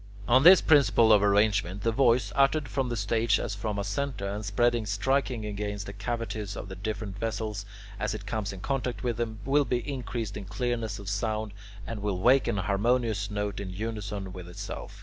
On this principle of arrangement, the voice, uttered from the stage as from a centre, and spreading and striking against the cavities of the different vessels, as it comes in contact with them, will be increased in clearness of sound, and will wake an harmonious note in unison with itself.